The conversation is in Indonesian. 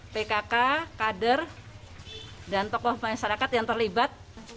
pkk kader dan tokoh masyarakat yang terlibat